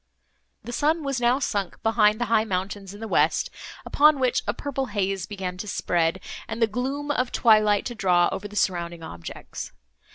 The sun was now sunk behind the high mountains in the west, upon which a purple haze began to spread, and the gloom of twilight to draw over the surrounding objects.